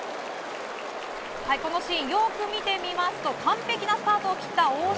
このシーン、よく見てみますと完璧なスタートを切った大島。